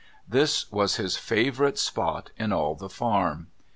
This was his favourite spot in all the farm.